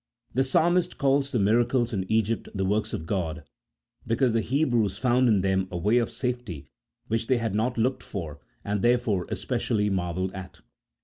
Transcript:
The Psalmist calls the miracles in Egypt the works of God, because the Hebrews found in them a way of safety which they had not looked for, and therefore especially marvelled at.